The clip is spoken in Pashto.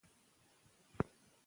زموږ ژبه زموږ د نیکونو میراث دی.